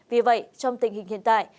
vì vậy trong tình hình hiện tại